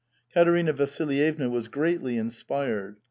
Katerina Vasilyevna was greatly inspired.